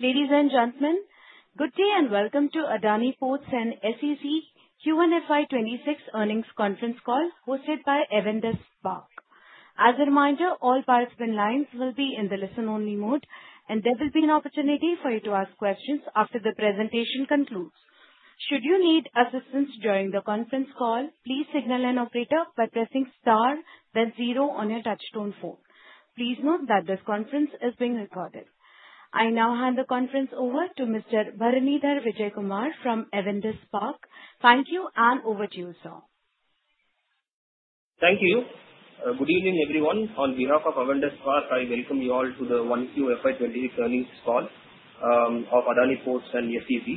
Ladies and gentlemen, good day and welcome to Adani Ports and SEZ Q4 FY26 earnings conference call hosted by Avendus Spark. As a reminder, all participant lines will be in the listen-only mode and there will be an opportunity for you to ask questions after the presentation concludes. Should you need assistance during the conference call, please signal an operator by pressing star then zero on your touch-tone phone. Please note that this conference is being recorded. I now hand the conference over to Mr. Bharanidhar Vijayakumar from Avendus Spark. Thank you, and over to you, sir. Thank you. Good evening everyone. On behalf of Avendus Spark, I welcome you all to the 1Q FY2024. earnings call of Adani Ports and SEZ.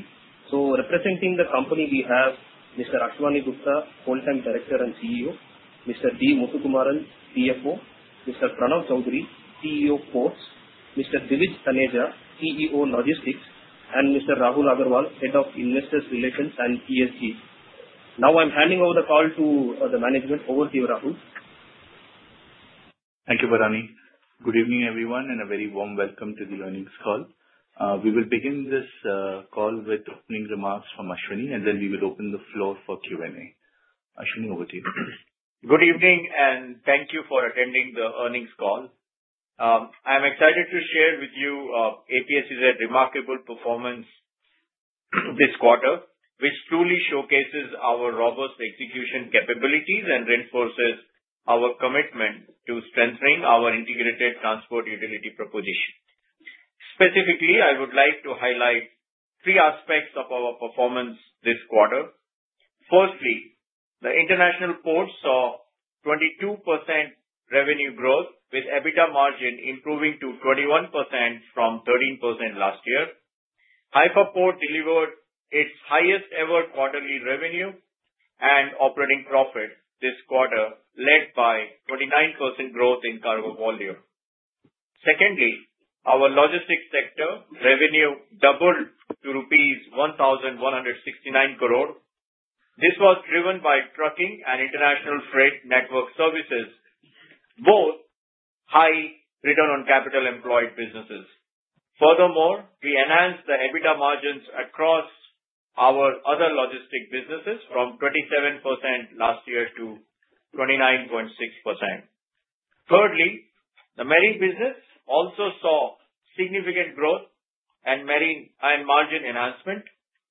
Representing the company, we have Mr. Ashwani Gupta, Whole-Time Director and CEO, and Mr. D Muthukumaran, CFO. Mr. Pranav Choudhary, CEO, Ports. Mr. Divyej Taneja, CEO Logistics, and Mr. Rahul Agarwal, Head of Investor Relations and ESG. Now I'm handing over the call to the management. Over to you, Rahul. Thank you, Bharani. Good evening everyone and a very warm welcome to the earnings call. We will begin this call with opening remarks from Ashwani and then we will open the floor for Q&A. Ashwani, over to you. Good evening and thank you for attending the earnings call. I'm excited to share with you APSEZ's remarkable performance this quarter, which truly showcases our robust execution capabilities and reinforces our commitment to strengthening our integrated transport utility proposition. Specifically, I would like to highlight three aspects of our performance this quarter. Firstly, the International Port saw 22% revenue growth with EBITDA margin improving to 21% from 13% last year. Haifa Port delivered its highest ever quarterly revenue and operating profit this quarter, led by 29% growth in cargo volume. Secondly, our Logistics sector revenue doubled to rupees 1,169 crore. This was driven by trucking and international freight network services, both high return on capital employed businesses. Furthermore, we enhanced the EBITDA margins across our other logistics businesses from 27% last year to 29.6%. Thirdly, the Marine business also saw significant growth and margin enhancement.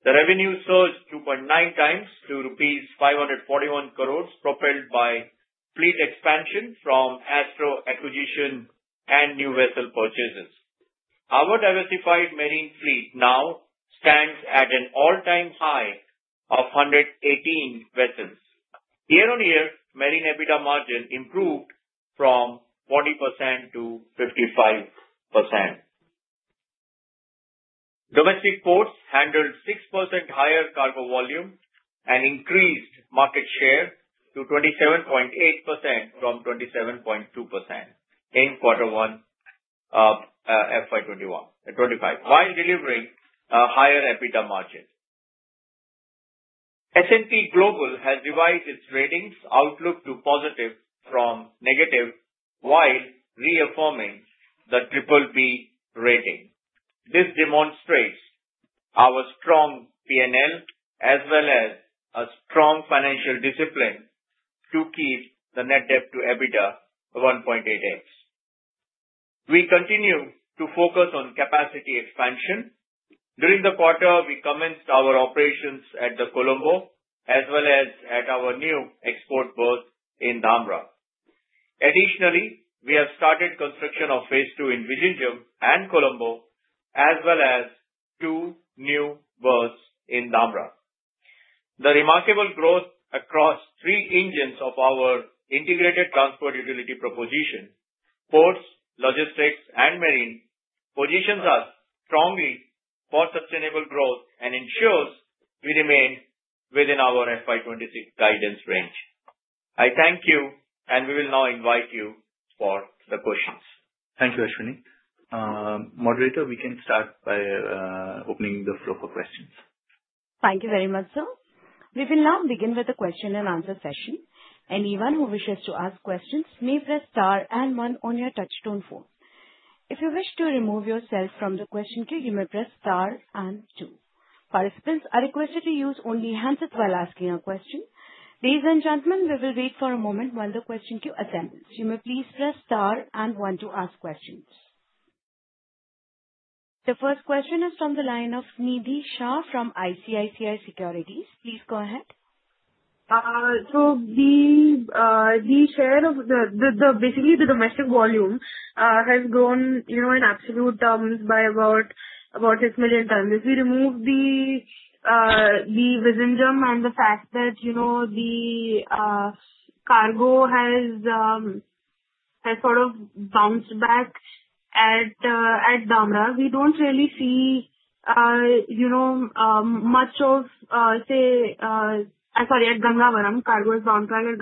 The revenue surged 2.9x to rupees 541 crore, propelled by fleet expansion from the Astro acquisition and new vessel purchases. Our diversified marine fleet now stands at an all-time high of 118 vessels. Year on year, marine EBITDA margin improved from 40%-55%. Domestic ports handled 6% higher cargo volume and increased market share to 27.8% from 27.2% in Quarter 1 FY 2025 while delivering a higher EBITDA margin. S&P Global has revised its ratings outlook to positive from negative while reaffirming the BBB rating. This demonstrates our strong P&L as well as a strong financial discipline to keep the net debt to EBITDA 1.8x. We continue to focus on capacity expansion. During the quarter we commenced our operations at the Colombo as well as at our new export berth in Dhamra. Additionally, we have started construction of phase two in Vizhinjam and Colombo as well as two new berths in Dhamra. The remarkable growth across three engines of our integrated transport utility proposition—Ports, Logistics, and Marine—positions us strongly for sustainable growth and ensures we remain within our FY2026 guidance range. I thank you and we will now invite you for the questions. Thank you. Ashwani .Moderator, we can start by opening the floor for questions. Thank you very much, sir. We will now begin with a question and answer session. Anyone who wishes to ask questions may press star and one on your touchstone phone. If you wish to remove yourself from the question queue, you may press star and two. Participants are requested to use only handset while asking a question. Ladies and gentlemen, we will wait. A moment while the question queue assembles. You may please press star and one to ask questions. The first question is from the line of Nidhi Shah from ICICI Securities. Please go ahead. The share of the basically the domestic volume has grown, you know, in absolute terms by about 6 million tons. If we remove the Vizhinjam and the fact that, you know, the cargo has sort of bounced back at Dhamra, we don't really see, you know, much of. Sorry. At Gangavaram cargoes downtown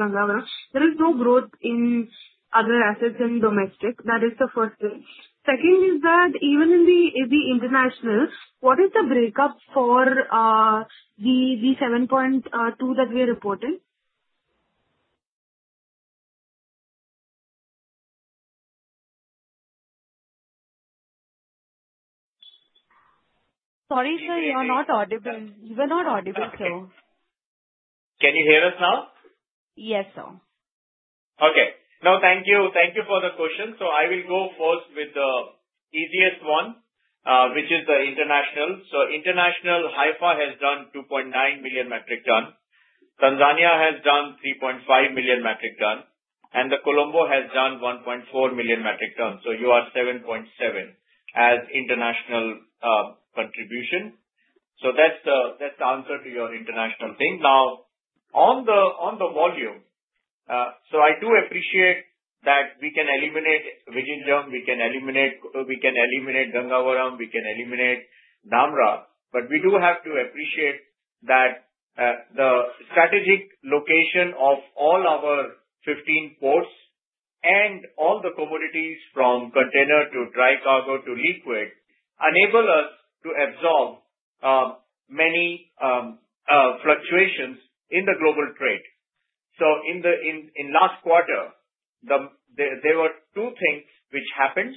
there is no growth in other assets in domestic. That is the first thing. Second is that even in the easy international. What is the breakup for the V 7.2 that we are reporting? Sorry sir, you are not audible. You were not audible. Sir, can you hear us now? Yes, sir. Okay, now, thank you. Thank you for the question. I will go first with the easiest one, which is the International. International, Haifa has done 2.9 million metric tons. Tanzania has done 3.5 million MT. Colombo has done 1.4 million MT. You are 7.7 as International contribution. That's the answer to your International thing. Now, on the volume, I do appreciate that we can eliminate Vizhinjam. We can eliminate, we can eliminate Gangavaram, we can eliminate Dhamra. We do have to appreciate that the strategic location of all our 15 ports and all the commodities from container to dry cargo to liquid enable us to absorb many fluctuations in the global trade. In the last quarter, there were two things which happened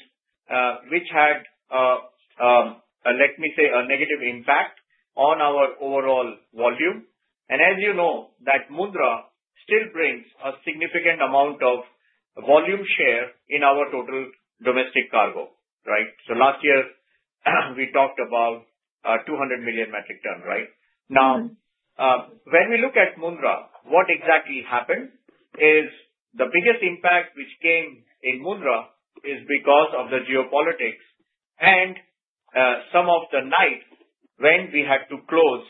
which had, let me say, a negative impact on our overall volume. As you know, Mundra still brings a significant amount of volume share in our total domestic cargo, right? Last year we talked about 200 million MT, right? Now, when we look at Mundra, what exactly happened is the biggest impact which came in Mundra is because of the geopolitics and some of the nights when we had to close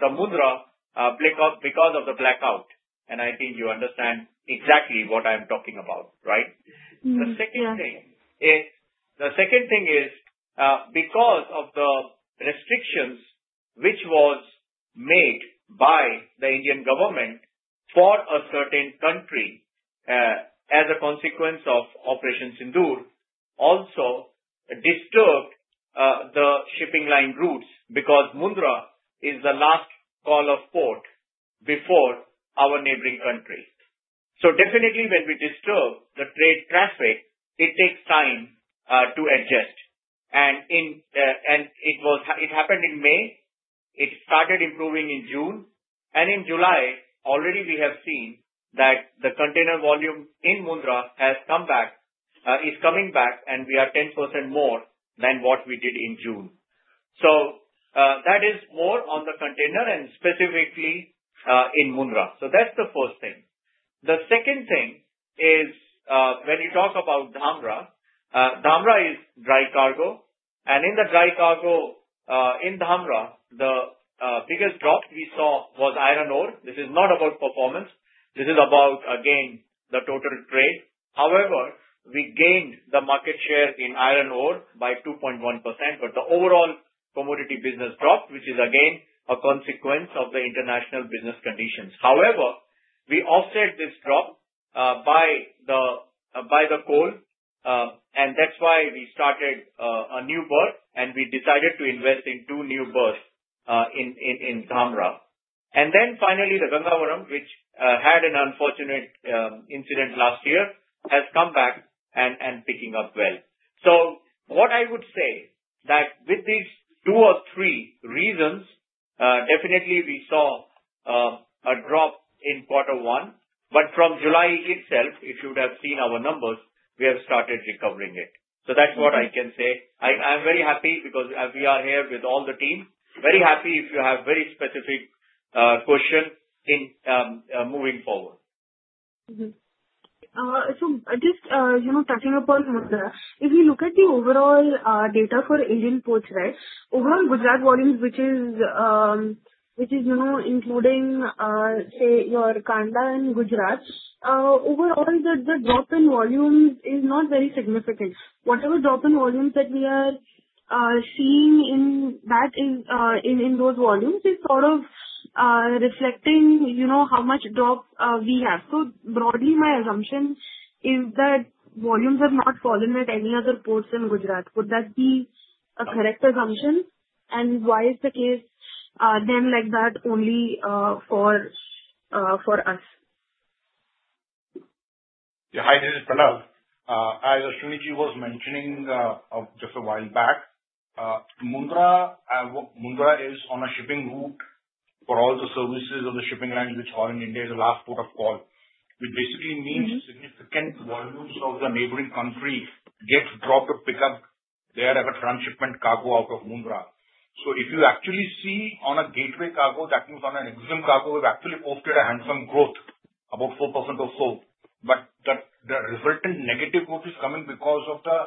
the Mundra port because of the blackout. I think you understand exactly what I'm talking about, right? The second thing is because of the restrictions which were made by the Indian government for a certain country as a consequence of Operation Sindur, also disturbed the shipping line routes because Mundra is the last call of port before our neighboring country. Definitely, when we disturb the trade traffic, it takes time to adjust. It happened in May, it started improving in June, and in July, already we have seen that the container volume in Mundra has come back, is coming back, and we are 10% more than what we did in June. That is more on the container and specifically in Mundra. That's the first thing. The second thing is when you talk about Dhamra, Dhamra is dry cargo. In the dry cargo in Dhamra, the biggest drop we saw was iron ore. This is not about performance, this is about again the total trade. However, we gained the market share in iron ore by 2.1%. The overall commodity business dropped, which is again a consequence of the international business conditions. However, we offset this drop by the, by the coal. That's why we started a new berth. We decided to invest in two new berths in Dhamra. Finally, the Gangavaram, which had an unfortunate incident last year, has come back and is picking up well. What I would say is that with these two or three reasons, we definitely saw a drop in quarter one. From July itself, if you would have seen our numbers, we have started recovering it. That's what I can say. I'm very happy because we are here with all the team, very happy. If you have a very specific question in moving forward. Just touching upon, if you look at the overall data for Indian ports, overall Gujarat volumes, which is including say your Kandla and Gujarat overall, the drop in volume is not very significant. Whatever drop in volumes that we are seeing in those volumes is sort of reflecting how much drop we have, so broadly my assumption is that volumes have not fallen at any other ports in Gujarat. Is that a correct assumption? Why is the case then like that only for us? Yeah, hi, this is Pranav. As Ashwani just was mentioning just a while. Back. Mundra is on a shipping route for all the services of the shipping. Language or in India is the last. Port of call, which basically means significant warmups of the neighboring countries, gets dropped. To pick up there as a transshipment cargo out of Mundra. If you actually see on a gateway cargo, that means on an exit cargo we've actually posted a handsome growth, about 4% or so. The resultant negative growth is coming because of the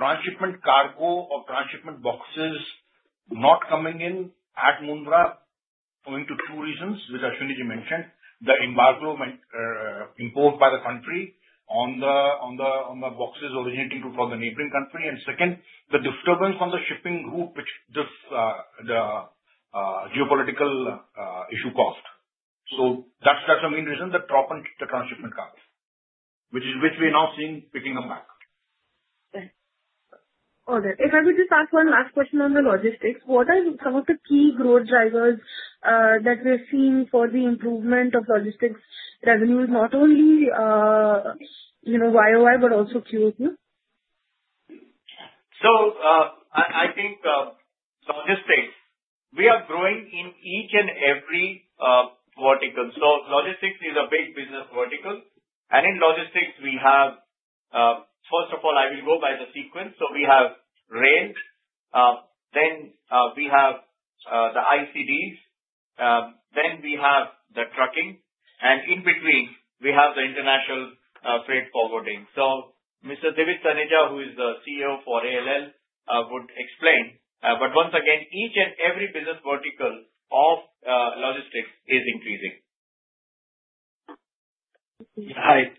transshipment cargo or transshipment boxes not coming in at Mundra, going to two reasons which Ashwani just mentioned. The embargoment imposed by the country on the boxes originating to. From the neighboring country. The disturbance on the shipping group, which this, the geopolitical issue caused, that's the main reason. The transshipment cargo. We're now seeing picking them back. All right, if I could just ask one last question on the Logistics. What are some of the key growth drivers that we're seeing for the improvement of logistics revenues? Not only, you know, year-over-year, but also quarter-over-quarter. I think Logistics, we are growing in each and every vertical. Logistics is a big business vertical and in Logistics we have, first of all, I will go by the sequence. We have rail, then we have the ICDs, then we have the trucking, and in between we have the international freight forwarding. Mr. Divyej Taneja, who is the CEO for ADL, would explain. Once again, each and every business vertical of logistics is increasing. Hi,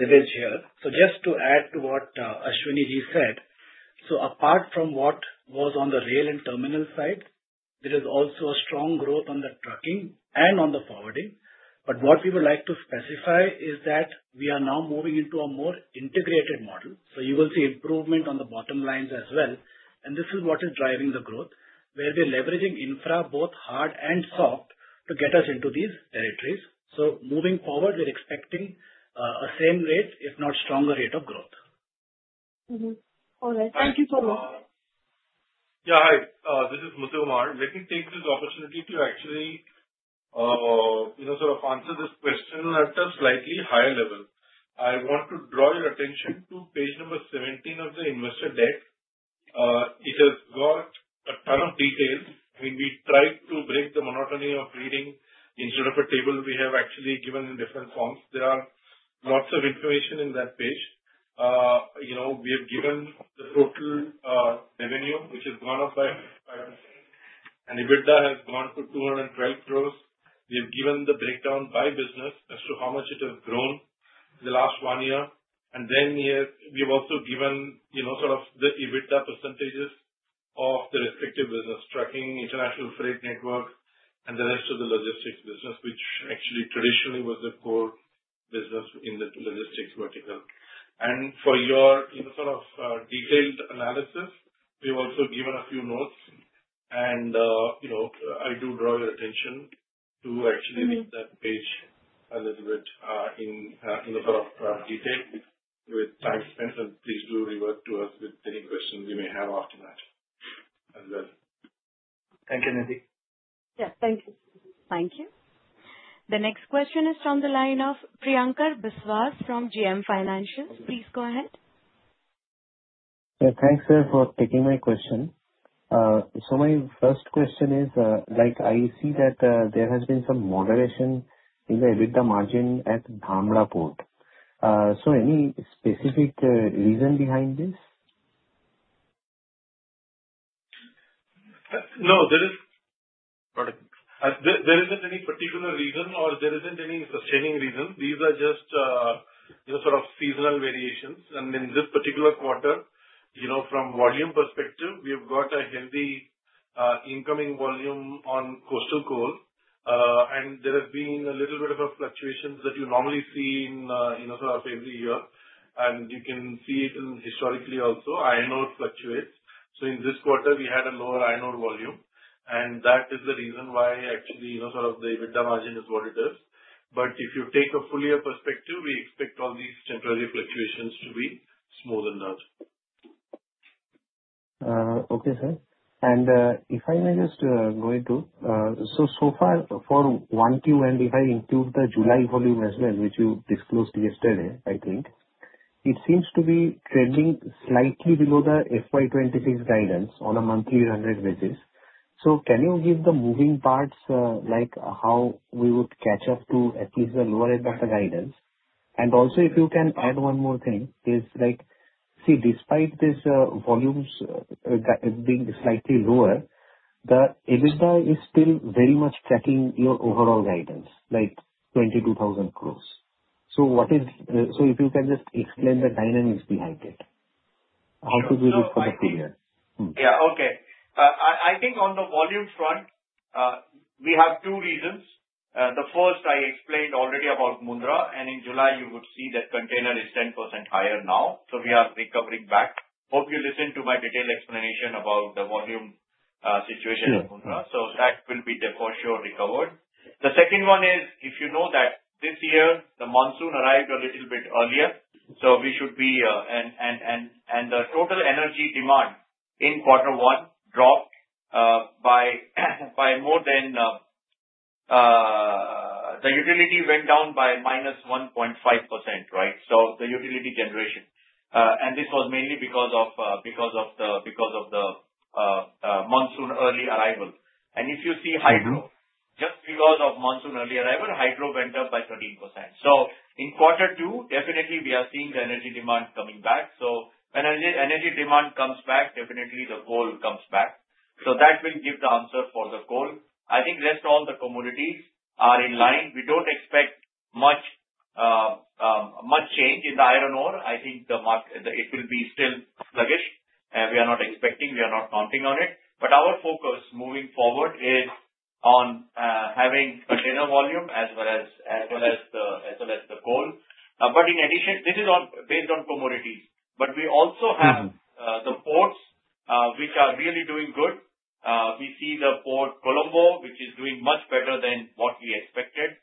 Divyej here. To add to what Ashwani said, apart from what we was on the rail and terminal side, there is also a strong growth on the trucking and on the forwarding. What we would like to specify is that we are now moving into a more integrated model. You will see improvement on the bottom lines as well. This is what is driving the growth where we're leveraging infra both hard and soft to get us into these territories. Moving forward we're expecting a same rate, if not stronger rate of growth. All right, thank you so much. Yeah, hi, this is Muthukumaran. Let me take this opportunity to actually, you know, sort of answer this question at a slightly higher level. I want to draw your attention to page number 17 of the Investor deck. It has got a ton of details. We tried to break the monotony of reading. Instead of a table, we have actually given in different forms. There is lots of information in that page. We have given the total revenue which has gone up by 5% and EBITDA has gone to 212 crore. We've given the breakdown by business as to how much it has grown in the last one year. Here we've also given the EBITDA percentages of the respective business tracking International Freight Network and the rest of the Logistics business, which actually traditionally was a core business in the Logistics vertical. For your detailed analysis, we've also given a few notes and I do draw your attention to actually read that page a little bit in a lot of detail with time. Please do revert to us with any questions you may have after that as well. Thank you, Nidhi. Yeah, thank you. Thank you. The next question is from the line of Priyankar Biswas from JM Financial. Please go ahead. Yeah, thanks sir for taking my question. My first question is like I see that there has been some moderation in the EBITDA margin at Dhamra Port. Any specific reason behind this? No, there is. There isn't any particular reason or there isn't any sustaining reason. These are just, you know, sort of seasonal variations. In this particular quarter, you know, from a volume perspective, we have got a heavy incoming volume on coastal coal and there have been a little bit of fluctuations that you normally see in, you know, for a part of the year. You can see it historically. Also, iron ore fluctuates. In this quarter we had a lower iron ore volume, and that is the reason why, actually, you know, sort of the EBITDA margin is what it is. If you take a full year. Perspective, we expect all these temporary fluctuations to be smoothened out. Okay sir, if I may just go into so far for 1Q and if I include the July volume as well, which you disclosed yesterday, I think it seems to be trending slightly below the FY2026 guidance on a monthly 100 basis. Can you give the moving parts, like how we would catch up to at least the lower end of the guidance? Also, if you can add one more thing, despite these volumes being slightly lower, the EBITDA is still very much tracking your overall guidance, like 22,000 crores. If you can just explain the dynamics behind it, how could we for the premium. Yeah, okay, I think on the volume front we have two reasons. The first I explained already about Mundra, and in July you would see that container is 10% higher now, so we are recovering back. Hope you listened to my detailed explanation about the volume situation of Mundra, so that will be for sure recovered. The second one is, if you know, this year the monsoon arrived a little bit earlier, so we should be. The total energy demand in quarter one dropped by more than the utility went down by -1.5%, right, so the utility generation, and this was mainly because of the monsoon early arrival. If you see, just because of monsoon early arrival, hydro went up by 13%, so in quarter two definitely we are seeing the energy demand coming back. When energy demand comes back, definitely the coal comes back, so that will give the answer for the coal. I think rest all the commodities are in line. We don't expect much change in the iron ore. I think it will be still, I guess we are not expecting, we are not counting on it, but our focus moving forward is on having container volume as well as the coal. In addition, this is based on commodities, but we also have the ports which are really doing good. We see the port Colombo, which is doing much better than what we expected.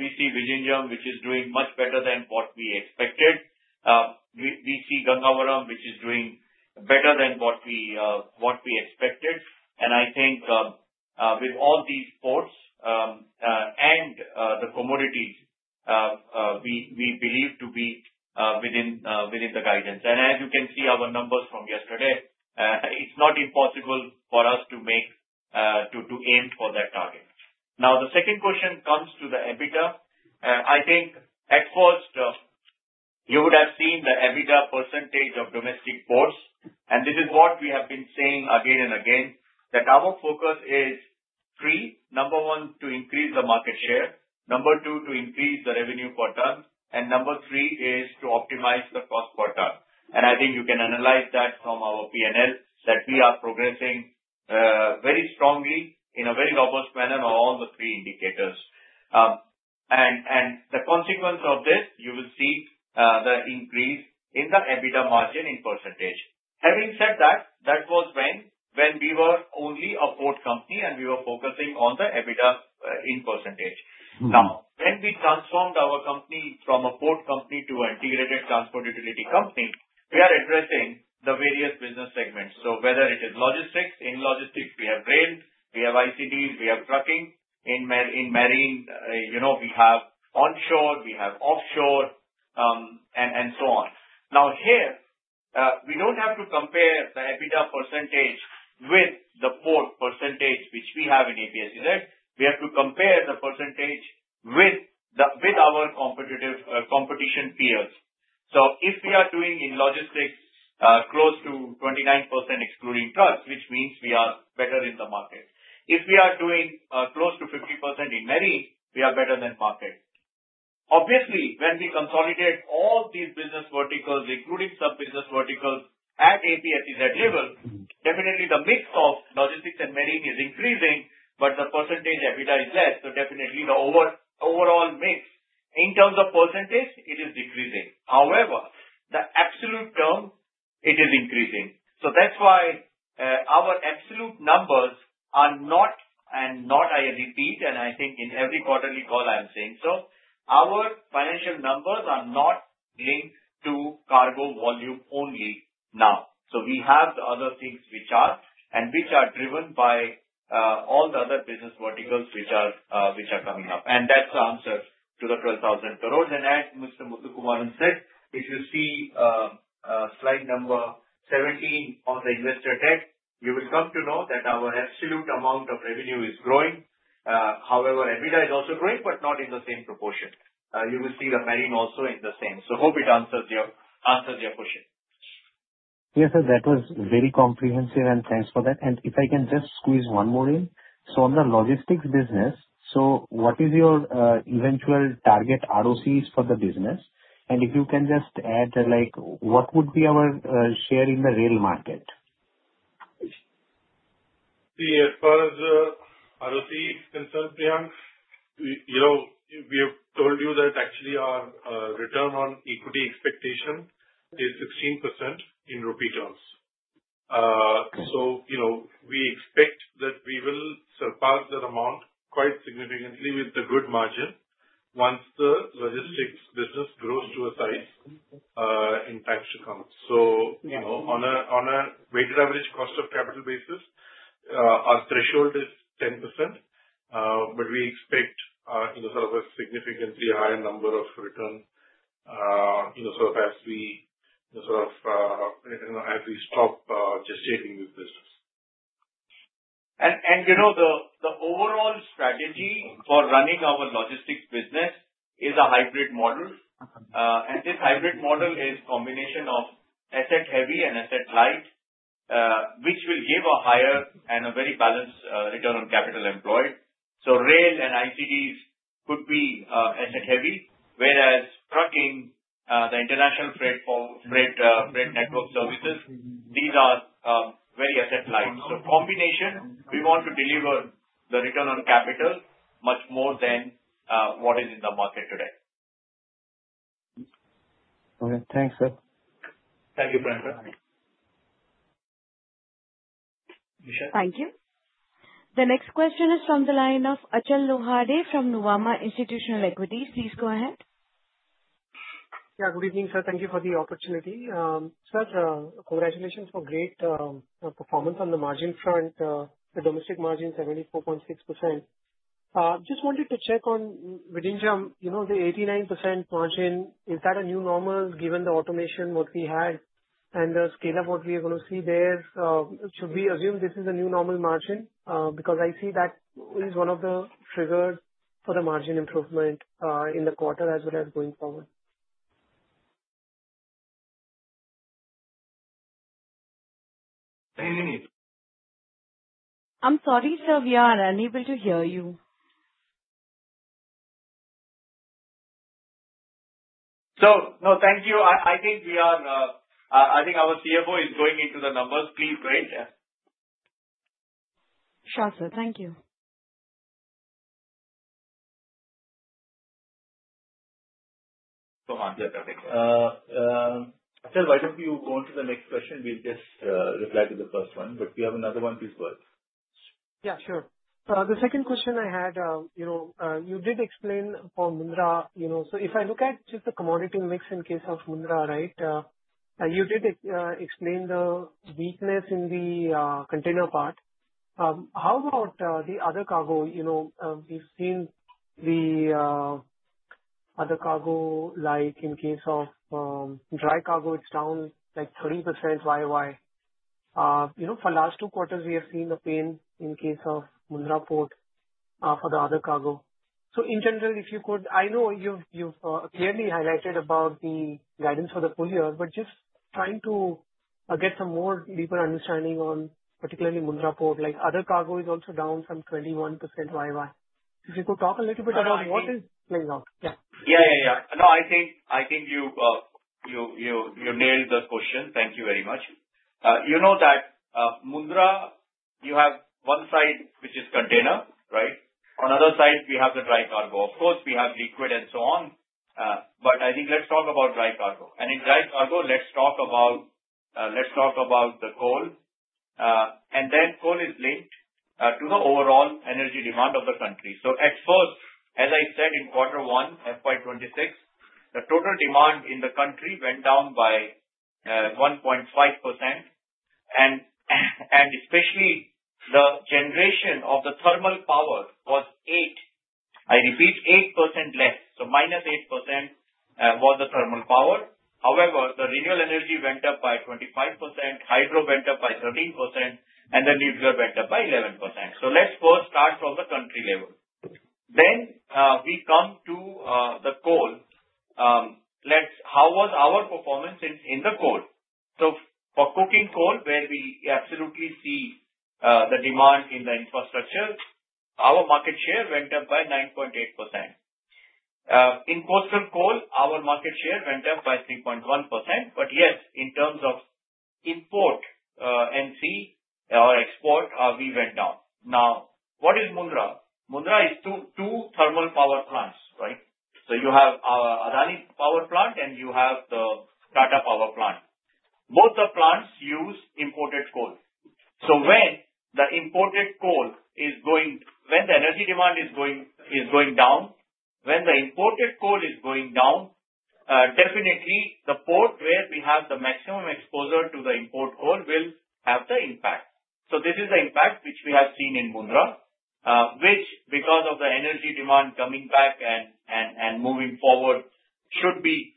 We see Vizhinjam, which is doing much better than what we expected. We see Gangavaram, which is doing better than what we expected, and I think with all these ports and the commodities, we believe to be within the guidance, and as you can see our numbers from yesterday, it's not impossible for us to aim for that target. Now, the second question comes to the EBITDA. I think at first you would have seen the EBITDA percentage of domestic ports, and this is what we have been saying again and again, that our focus is three: Number one, to increase the market share; number two, to increase the revenue per ton; and number three is to optimize the cost per ton. I think you can analyze that from our P&L, that we are progressing very strongly in a very robust manner on all the three indicators, and the consequence of this, you will see the increase in the EBITDA margin in percentage. Having said that, that was when we were only a port company and we were focusing on the EBITDA in percentage. Now, when we transformed our company from a port company to integrated transport utility company, we are addressing the various business segments. Whether it is logistics, in logistics we have rail, we have ICDs, we have trucking. In marine, we have onshore, we have offshore and so on. Here we don't have to compare the EBITDA percentage with the port percentage which we have in APSEZ; we have to compare the percentage with our competition peers. If we are doing in logistics close to 29% excluding trust, which means we are better in the market. If we are doing close to 50% in marine, we are better than pocket. Obviously, when we consolidate all these business verticals including sub-business verticals at APSEZ level, definitely the mix of Logistics and Marine is increasing but the percentage EBITDA is less. The overall mix in terms of percentage is decreasing. However, the absolute sum is increasing. That's why our absolute numbers are not, and I repeat, and I think in every quarterly call I'm saying, our financial numbers are not linked to cargo volume only now. We have the other things which are driven by all the other business verticals which are coming up and that answers to the 12,000 crores. As Mr. D. Muthukumaran said, if you see slide number 17 on the Investor deck, you will come to know that our absolute amount of revenue is growing. EBITDA is also growing but not in the same proportion. You will see the marine also in the same. Hope it answers your question. Yes sir, that was very comprehensive and thanks for that. If I can just squeeze one more in, on the Logistics business, what is your eventual target ROCEs for the business, and if you can just add what would be our share in the real market. As far as ROCE is concerned, you know we have told you that actually our return on equity expectation is 16% in rupee terms. You know we expect that we will surpass that amount quite significantly with a good margin once the logistics business grows to a size in times to come. On a weighted average cost of capital basis, our threshold is 10% but we expect, you know, sort of a significantly higher number of return as we stop gestating with business. The overall strategy for running our logistics business is a hybrid model. This hybrid model is a combination of asset heavy and asset-light, which will give a higher and a very balanced return on capital employed. Rail and ICDs could be asset heavy, whereas trucking, the international freight, freight network services, these are very asset-light. The combination, we want to deliver the return on capital much more than what is in the market today. Okay, thanks sir. Thank you. Thank you. The next question is from the line of Achal Lohade from Nuvama Institutional Equities. Please go ahead. Good evening sir. Thank you for the opportunity. Sir. Congratulations for great performance on the margin front. The domestic margin, 74.6%. Just wanted to check on Vizhinjam. You know, the 89% margin, is that a new normal? Given the automation what we had and the scale of what we are going to see there, should we assume this is a new normal margin? Because I see that is one of the triggers for the margin improvement in the quarter as well as going forward. I'm sorry, sir, we are unable to hear you. So. No, thank you. I think our CFO is going into the numbers. Please go ahead. Sure, sir, thank you. Why don't you go on to the next question. We'll just reply to the first one, but we have another one. Please go ahead. Yeah, sure. The second question I had, you did explain for Mundra. If I look at just the commodity mix in case of Mundra, you did explain the weakness in the container part. How about the other cargo? We've seen the other cargo like in case of dry cargo, it's down like 30% YoY. For the last two quarters we have seen the pain in case of Mundra Port for the other cargo. In general, if you could, I know you've clearly highlighted about the guidance for the full year. Just trying to get some more deeper understanding on particularly Mundra Port, like other cargo is also down some 21% YoY. If you could talk a little bit about what is. I think you. You nailed the question. Thank you very much. You know that Mundra, you have one side which is container, right? On the other side we have the dry cargo, of course, we have liquid and so on. I think let's talk about dry cargo and in dry cargo let's talk about, let's talk about the coal and that coal is linked to the overall energy demand of the country. At first, as I said in quarter one, FY2026, the total demand in the country went down by 1.5%. Especially the generation of the thermal power was 8, I repeat, 8% less, so minus 8% was the thermal power. However, the renewable energy went up by 25%, hydro went up by 13%, and the nuclear went up by 11%. Let's first start from the country level. Then we come to the coal. How was our performance in the coal? For coking coal, where we absolutely see the demand in the infrastructure, our market share went up by 9.8%. In power coal, our market share went up by 3.1%. Yes, in terms of import or export we went down. Now what is Mundra? Mundra is two thermal power plants, right? You have Adani Power plant and you have the startup power plant. Both the plants use imported coal. When the imported coal is going, when the energy demand is going, is going down, when the imported coal is going down, definitely the port where we have the maximum exposure to the import coal will have the impact. This is the impact which we have seen in Mundra which, because of the energy demand coming back and moving forward, should be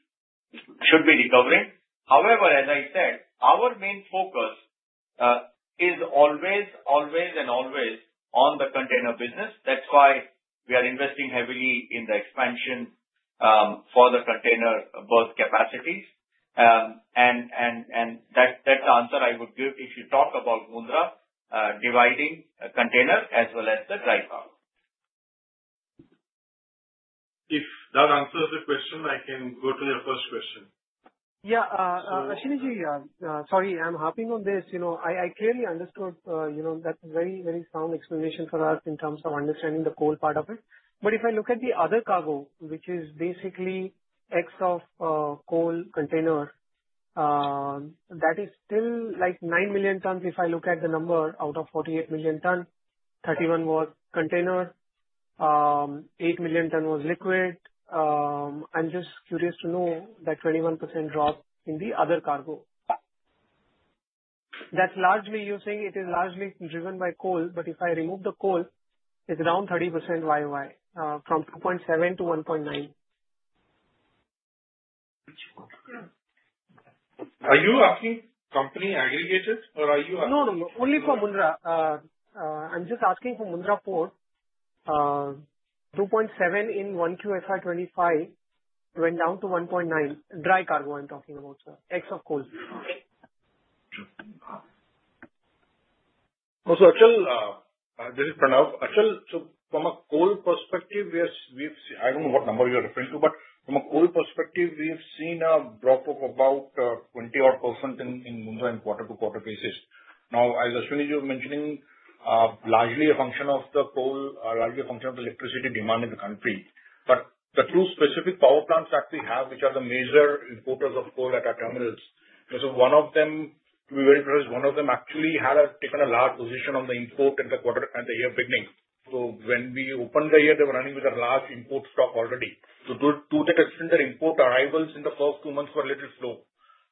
recovering. However, as I said, our main focus is always, always and always on the container business. That's why we are investing heavily in the expansion for the container berth capacities. That's the answer I would give if you talk about Mundra dividing a container as well as the dry power. If that answers the question, I can go to your first question. Sorry, I'm hopping on this. I clearly understood that very, very sound explanation for us in terms of understanding the coal part of it. If I look at the other. Cargo which is basically X of coal container that is still like 9 million tons. If I look at the number out of 48 million ton, 31 was container, 8 million ton was liquid. I'm just curious to know that 21% drop in the other cargo that's largely using it is largely driven by coal. If I remove the coal it's around 30% YoY from 2.7 to 1.9. Are you asking company aggregators or are you? No, no, only for Mundra. I'm just asking for Mundra Port. 2.7 in 1Q FY2025 went down to 1.9 dry cargo. I'm talking about, sir. X of coal. Also, this is Pranav. From a coal perspective, yes, we've seen a drop of about 20% in Mundra in quarter-to-quarter cases. Now, as Ashwani, you were mentioning, largely a function of the coal, largely a. Function of the electricity demand in the country. The two specific power plants that we have are the major importers of coal at our terminals. One of them, to be very. Proud, one of them actually had taken a large position on the import in the quarter at the year beginning. When we opened the year, they were running with a large import stock already. To the customer, import arrivals in the first two months were a little slow.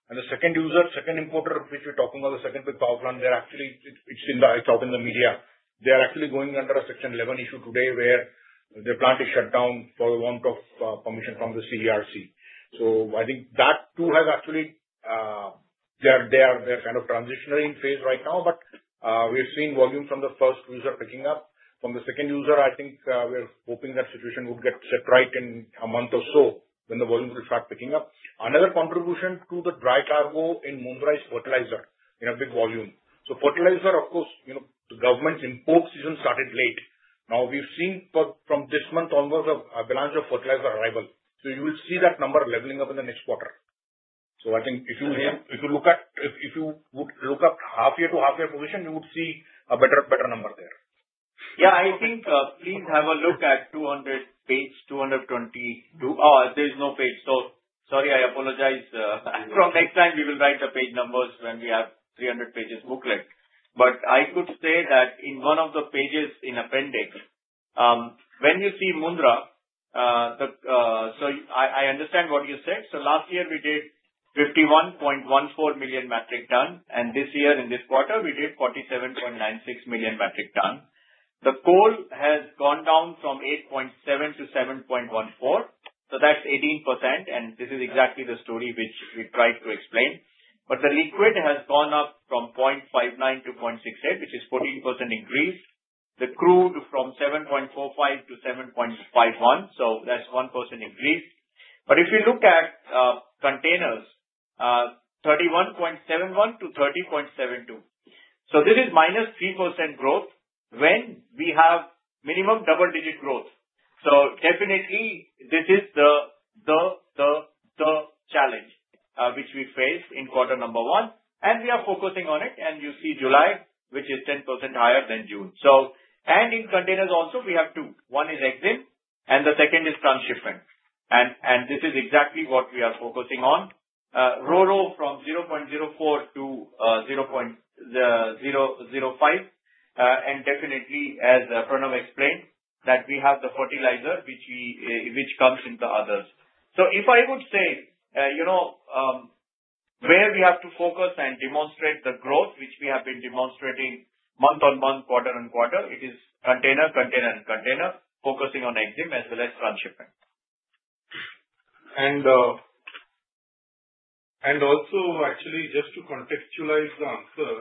The second user, second importer which we're talking on the second big power plant, they're actually, it's in the, it's. Out in the media. They are actually going under a Section 11 issue today, where the plant is shut down for the want of permission from the CERC. I think that too has. Actually, they are. They're kind of transitionary. In phase right now. We've seen volume from the first user picking up from the second user. I think we're hoping that situation will get set right in a month or so when the volume will start picking up. Another contribution to the dry cargo in Mundra is fertilizer in a big volume. So fertilizer of course you know the. Government's in season started late. Now we've seen from this month onwards a balance of fertilizer arrival. You will see that number leveling up in the next quarter. I think if you look at, if you would look up half year. To half year position, you would see. A better number there. Yeah, I think please have a look at 200 page. 222. There's no page. Sorry, I apologize. From next time we will write the page numbers when we have 300 pages booklet, but I could say that in one of the pages in appendix when you see Mundra. I understand what you said. Last year we did 51.14 million MT and this year in this quarter we did 47.96 million MT. The coal has gone down from 8.7 to 7.14, so that's 18%. This is exactly the story which we tried to explain. The liquid has gone up from 0.59-0.68, which is 14% increase. The crude from 7.45-7.51, so that's 1% increase. If you look at containers, 31.71-30.72, so this is minus 3% growth when we have minimum double digit growth. This is definitely the challenge which we face in quarter number one and we are focusing on it. You see July, which is 10% higher than June. In containers also we have two, one is EXIM and the second is transshipment. This is exactly what we are focusing on. RORO from 0.04-0.005. Definitely as Pranav explained, we have the fertilizer which comes in the others. If I would say, you know, where we have to focus and demonstrate the growth which we have been demonstrating month on month, quarter on quarter, it is container, container and container focusing on as well as transshipment. Actually, just to contextualize the answer,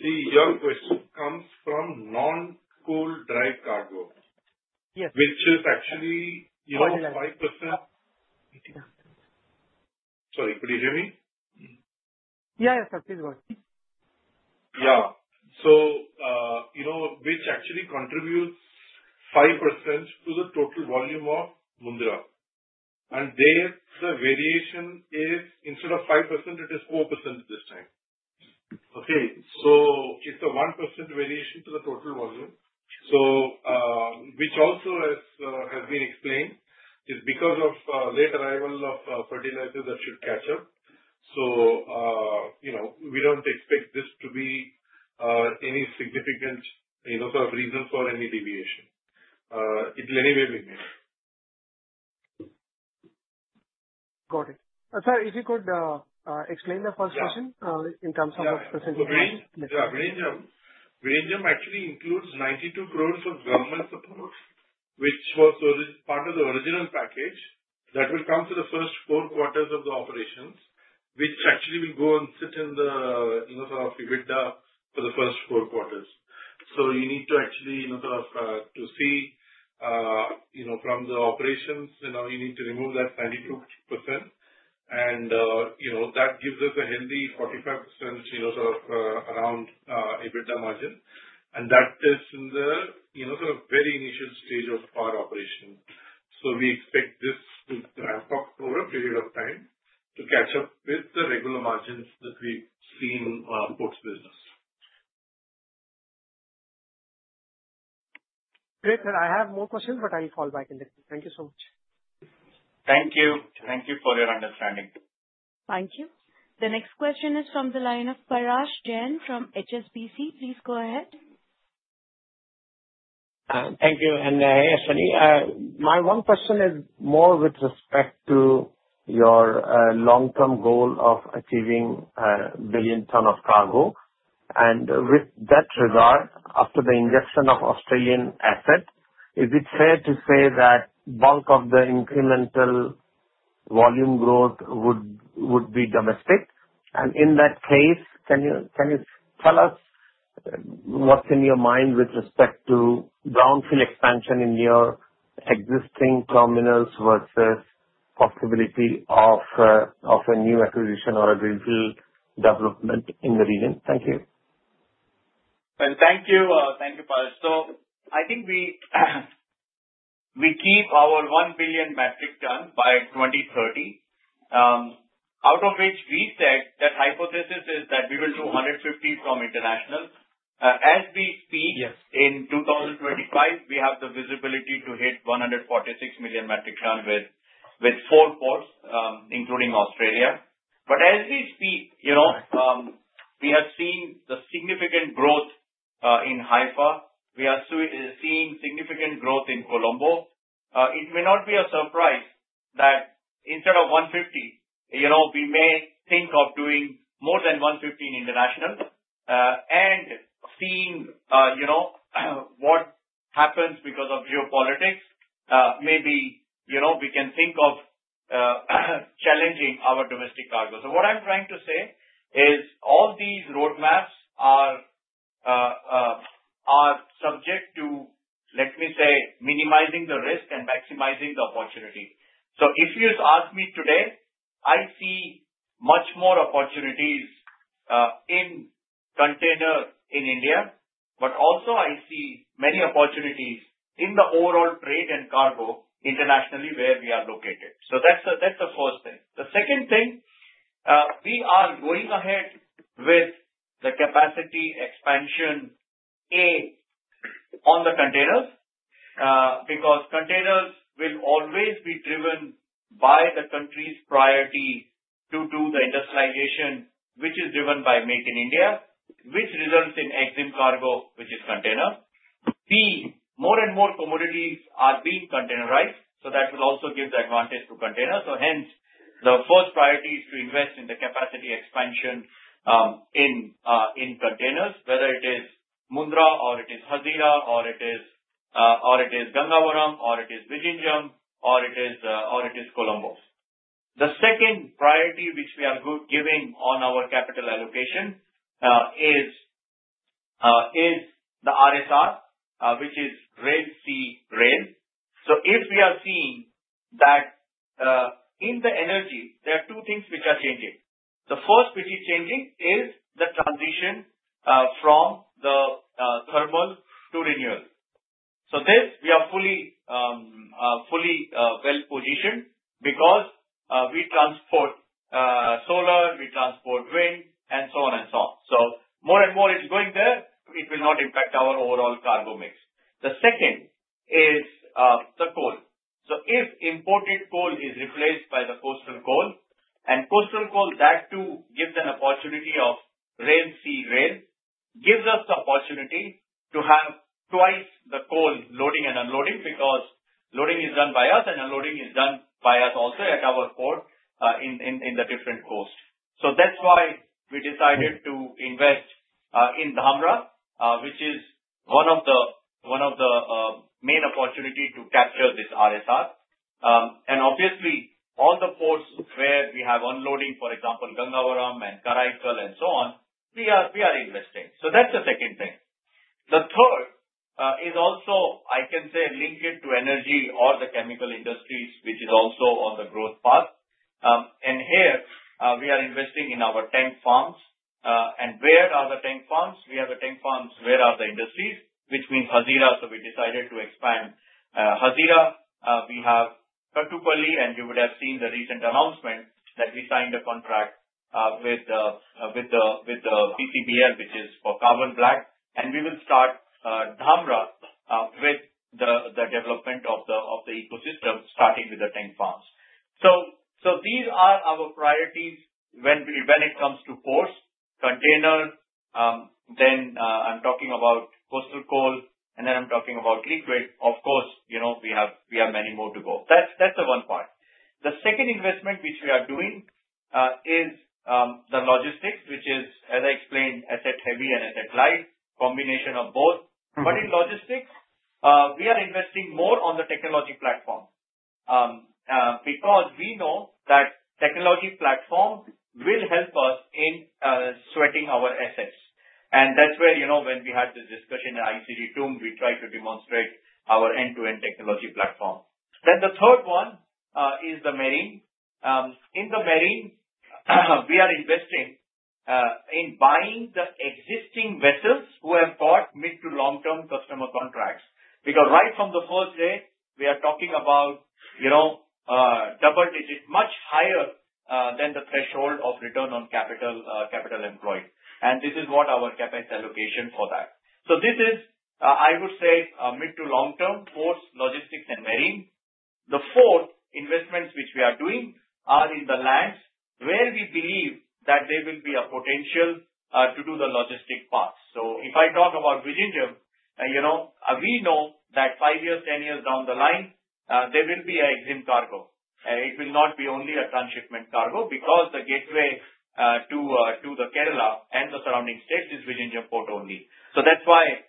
see your question comes from non-coal drive cargo. Yes. Which is actually, you know, 5%. Sorry, could you hear me? Yes sir, please go ahead. Yeah. You know, which actually contributes 5% to the total volume of Mundra. There the variation is instead of 5%, it is 4% this time. It's a 1% variation to the total volume, which also as has been explained is because of late arrival of fertilizer that should catch up. We don't expect this to be any significant enough reason for any deviation. Got it. Sir, if you could explain the first question in terms of. Vizhinjam actually includes 92 crore of government support, which was part of the original package that will come to the first four quarters of the operations, which actually will go and sit in the EBITDA for the first four quarters. You need to actually see from the operations, you need to remove that 92%, and that gives us a healthy $0.45, sort of around EBITDA margin, and that is in the very initial stage of our operation. We expect this transport to, over a period of time, catch up with the regular margins that we see in our ports business. Great. Sir, I have more questions, but I'll fall back in this. Thank you so much. Thank you. Thank you for your understanding. Thank you. The next question is from the line of Parash Jain from HSBC. Please go ahead. Thank you. My one question is more with. Respect to your long term goal of. Achieving a billion ton of cargo, and with that regard, after the ingestion of Australian asset, is it fair to say that bulk of the incremental volume growth. Would be domestic? Can you tell us what's in your mind with respect to downfield expansion in your existing terminals versus possibility of a new acquisition or a review development in the region? Thank you And thank you. Thank you. I think we keep our 1 billion MT by 2030, out of which we said that hypothesis is that we will do 115 from International. As we speak, in 2025 we have the visibility to hit 146 million MT with four ports including Australia. As we speak, you know, we have seen the significant growth in Haifa, we are seeing significant growth in Colombo. It may not be a surprise that instead of 150, you know, we may think of doing more than 150 in International and seeing, you know, what happens because of geopolitics. Maybe, you know, we can think of challenging our domestic cargo. What I'm trying to say is all these roadmaps are subject to, let me say, minimizing the risk and maximizing the opportunity. If you ask me today, I see much more opportunities in container in India, but also I see many opportunities in the overall trade and cargo internationally where we are located. That's the first thing. The second thing, we are going ahead with the capacity expansion on the containers because containers will always be driven by the country's priority due to the industrialization which is driven by Make in India, which results in EXIM cargo which is container. More and more commodities are being containerized, so that will also give the advantage to containers. Hence, the first priority is to invest in the capacity expansion in containers, whether it is Mundra or it is Hazira or it is Gangavaram or it is Vizhinjam or it is Colombo. The second priority which we are giving on our capital allocation is the RSR, which is Rail-Sea-Rail. If we are seeing that in the energy there are two things which are changing. The first which is changing is the transition from the thermal to renewal. This we are fully, fully well positioned because we transport solar, we transport wind and so on. More and more it's going there. It will not impact our overall cargo mix. The second is the coal. If imported coal is replaced by the coastal coal and post on coal, that too gives an opportunity of rail. Sea rail gives us the opportunity to have twice the coal loading and unloading because loading is done by us and unloading is done by us also at our port in the different coast. That's why we decided to invest in Dhamra, which is one of the main opportunities to capture this RSR, and obviously all the ports where we have unloading, for example, Gangavaram and Karaikal and so on, we are investing. That's the second thing. The third is also, I can say, linked to energy or the chemical industries, which is also on the growth path. Here we are investing in our tank farms. Where are the tank farms? We have the tank farms where there are industries, which means Hazira. We decided to expand Hazira, we have Katupalli, and you would have seen the recent announcement that we signed a contract with PCBL, which is for Carbon Black, and we will start Dhamra with the development of the ecosystem starting with the tank farms. These are our priorities when it comes to force container. I'm talking about coastal coal and then I'm talking about liquid. Of course, you know we have many more to go. That's the one part. The second investment which we are doing is the Logistics, which is, as I explained, Asset Heavy and Asset Light, a combination of both. In Logistics, we are investing more on the technology platform because we know that technology platform will help us in sweating our assets. That's where, you know, when we had this discussion at ICG Tumb, we tried to demonstrate our end-to-end technology platform. The third one is the Marine. In the Marine, we are investing in buying the existing vessels who have bought mid to long term customer contracts. Right from the first day, we are talking about double digits, much higher than the threshold of return on capital employed. This is what our CapEx allocation is for. This is, I would say, mid to long term for Logistics and Marine. The four investments which we are doing are in the last, where we believe that there will be a potential to do the logistics path. If I talk about Vizhinjam, you know, we know that five years, ten years down the line, there will be EXIM cargo, and it will not be only a transshipment cargo because the gateway to Kerala and the surrounding states is Vizhinjam Port only. That's why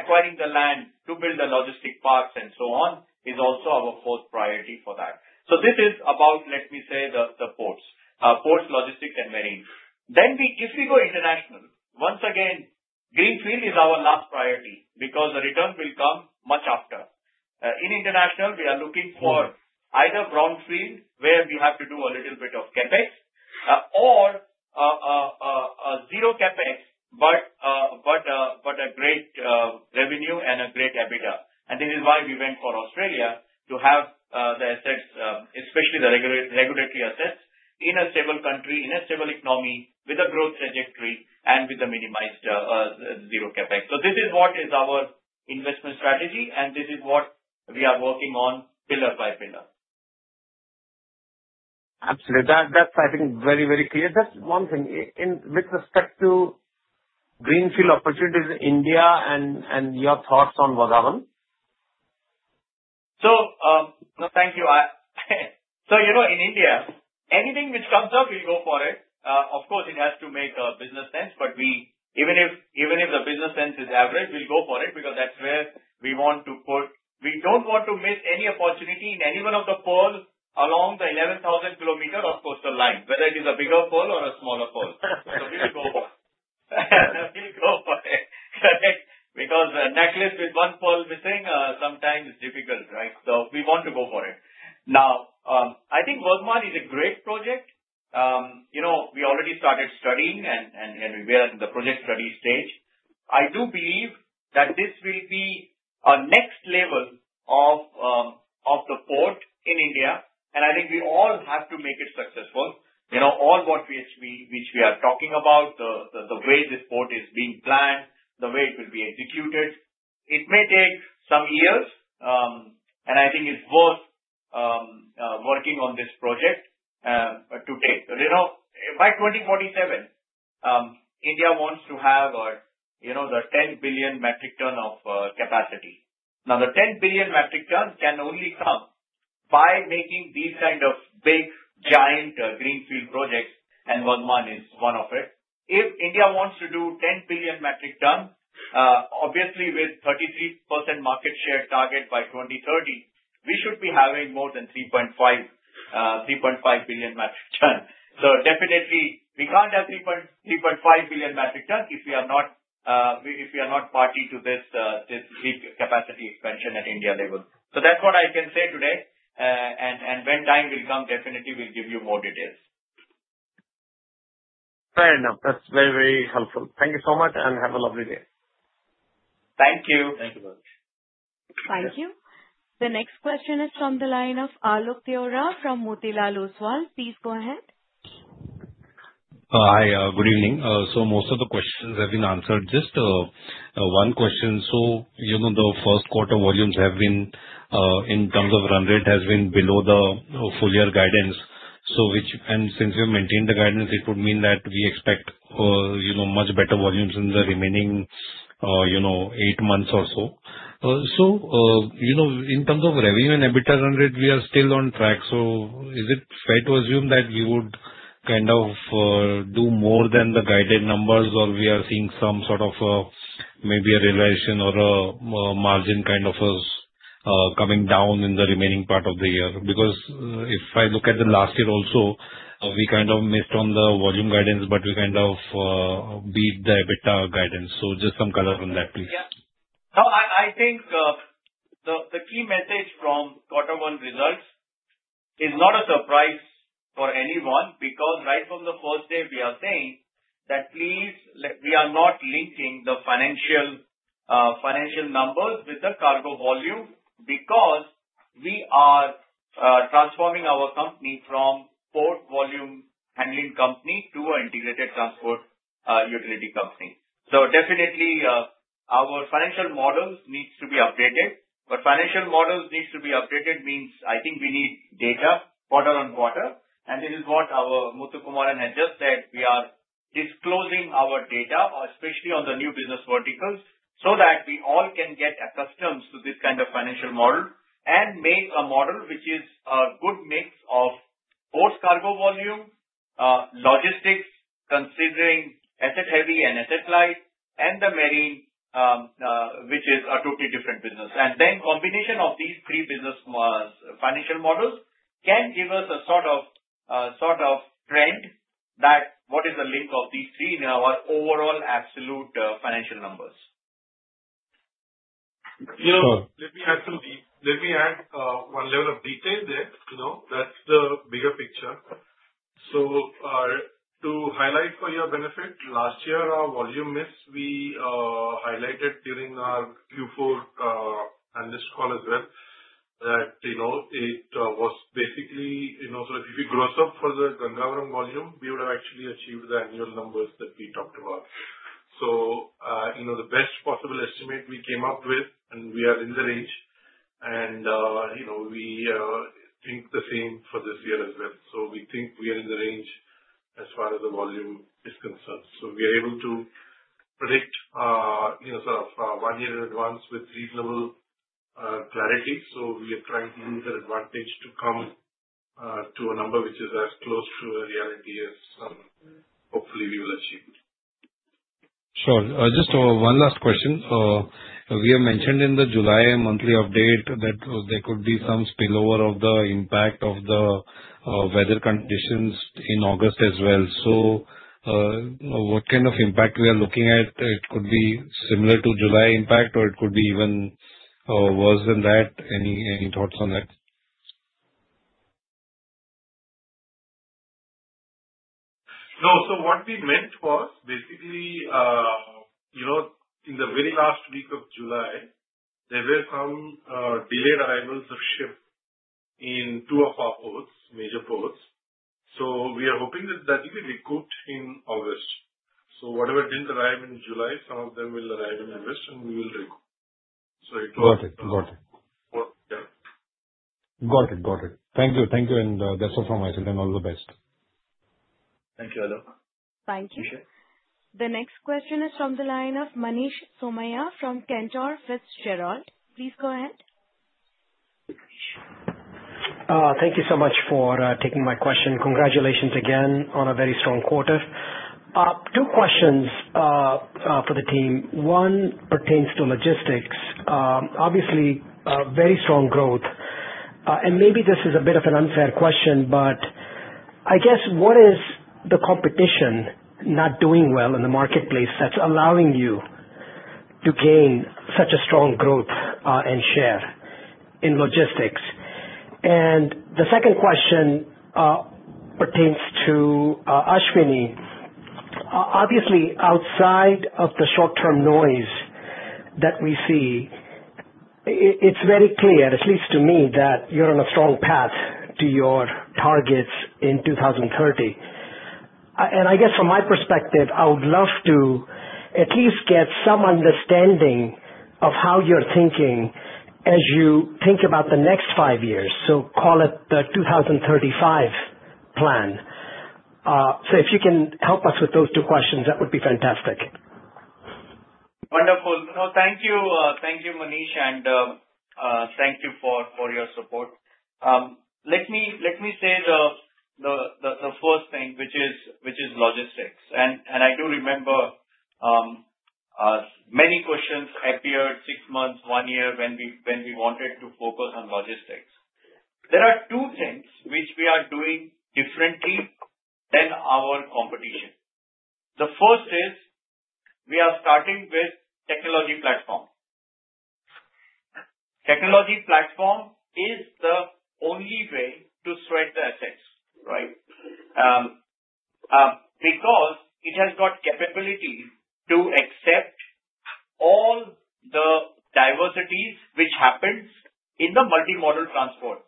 acquiring the land to build the logistics parks and so on is also our fourth priority for that. This is about, let me say, the supports, ports, logistics, and marine. If we go international, once again, greenfield is our last priority because the returns will come much after. In international we are looking for either ground field where you have to do a little bit of CapEx or zero CapEx but a great revenue and a great EBITDA. This is why we went for Australia to have the assets, especially the regulatory assets in a stable country, in a civil economy with a growth trajectory and with the minimized zero CapEx. This is what is our investment strategy and this is what we are working on pillar by pillar. Absolutely, that's I think very, very clear. Just one thing with respect to greenfield opportunities, India and your thoughts on Vadhavan? Thank you. You know in India anything which comes up you go for it. Of course it has to make business sense. Even if the business sense is average we'll go for it because that's where we want to put. We don't want to miss any opportunity in any one of the ports along the 11,000 km of coastline, whether it is a bigger pearl or a smaller pearl, because a necklace with one pearl we think sometimes difficult. Right. We want to go for it. Now I think Vizhinjam is a great project. We already started studying and we are in the project study stage. I do believe that this will be a next level of support in India and I think we all have to make it successful. All what we are talking about, the way this port is being planned, the way it will be executed, it may take some years. I think it's worth working on this project to take. By 2047 India wants to have the 10 billion MT of capacity. Now the 10 billion MT can only come by making these kind of big giant greenfield projects and Vizhinjam is one of it. If India wants to do 10 billion MT, obviously with 33% market share target by 2030 we should be having more than 3.5, 3.5 billion MT. We can't have 3, 3.5 billion MT if we are not party to this capacity expansion at India level. That's what I can say today. When time will come definitely we'll give you more details. Fair enough. That's very, very helpful. Thank you so much and have a lovely day. Thank you. Thank you. Thank you. The next question is from the line of Alok Deora from Motilal Oswal. Please go ahead. Hi, good evening. Most of the questions have been answered. Just one question. You know the first quarter volumes have been, in terms of run rate, below the full year guidance, which, since we have maintained the guidance, would mean that we expect much better volumes in the remaining eight months or so. In terms of revenue and EBITDA run rate, we are still on track. Is it fair to assume that you would kind of do more than the guided numbers, or are we seeing some sort of maybe a realization or a margin kind of coming down in the remaining part of the year? If I look at last year also, we kind of missed on the volume guidance, but we kind of beat the EBITDA guidance. Just some color on that, please. Yeah, I think the key message from quarter one results is not a surprise for anyone because right from the first day we are saying that please, we are not linking the financial numbers with the cargo volume because we are transforming our company from port volume handling company to an integrated transport utility company. Definitely our financial models need to be updated. Financial models need to be updated means I think we need data quarter on quarter. This is what our Muthukumaran has just said. We are disclosing our data especially on the new business verticals so that we all can get accustomed to this kind of financial model and make a model which is a good mix, of course, cargo volume logistics, considering asset heavy and asset-light and the marine, which is a totally different business. The combination of these three business financial models can give us a sort of trend that shows what is the link of these three in our overall absolute financial numbers. Let me add one level of detail there. That's the bigger picture. To highlight for your benefit, last year our volume miss we highlighted during our Q4 and this chronogram that it was basically, if you close up for the Gangavaram volume, we would have actually achieved the annual numbers that we talked about. The best possible estimate we came up with and we are in the range and we think the same for this year as well. We think we are in the range as far as the volume is concerned. We are able to predict one year in advance with reasonable clarity. We are trying to use an advantage to come to a number which is as close to the reality as hopefully we will achieve. Just one last question. We have mentioned in the July monthly update that there could be some spillover of the impact of the weather conditions in August as well. What kind of impact are we looking at? It could be similar to July impact or it could be even worse than that. Any thoughts on that? No. What we meant was, basically, in the very last week of July there were some delayed arrivals of ships in two of our ports, major ports. We are hoping that will be recouped in August. Whatever didn't arrive in July, some of them will arrive in August and we will recoup. Got it, got it. Got it, got it. Thank you. Thank you. That's all from myself and all the best. Thank you. Thank you. The next question is from the line of Manish Somaiya from Cantor Fitzgerald. Please go ahead. Thank you so much for taking my question. Congratulations again on a very strong quarter. Two questions for the team. One pertains to Logistics, obviously very strong growth and maybe this is a bit of an unfair question, but I guess what is the competition not doing well in the marketplace that's allowing you to gain such a strong growth and share in logistics? The second question pertains to Ashwani. Obviously outside of the short term noise that we see, it's very clear at least to me that you're on a strong path to your targets in 2030. I guess from my perspective, I would love to at least get some understanding of how you're thinking as you think about the next five years. Call it the 2035 plan. If you can help us with that. Those two questions, that would be fantastic, Wonderful. No, thank you. Thank you, Manish, and thank you for your support. Let me say the first thing, which is logistics, and I do remember many questions appeared six months, one year when we wanted to focus on logistics. There are two things which we are doing differently than our competition. The first is we are starting with technology platform. Technology platform is the only way to sweat the assets, right? Because it has got capability to accept all the diversity which happens in the multimodal transport.